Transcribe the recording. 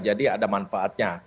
jadi ada manfaatnya